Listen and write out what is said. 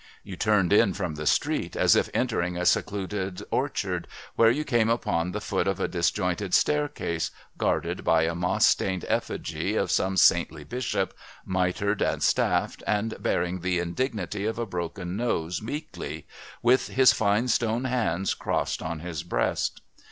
You turned in from the street, as if entering a secluded orchard, where you came upon the foot of a disjointed staircase, guarded by a moss stained effigy of some saintly bishop, mitred and staffed, and bearing the indignity of a broken nose meekly, with his fine stone hands crossed on his breast.